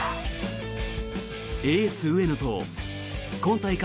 エース、上野と今大会